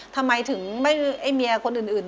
ทำไมถึงไม่ไอ้เมียคนอื่น